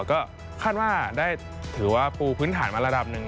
ก็คาดว่าได้ถือว่าปูพื้นฐานมาระดับหนึ่ง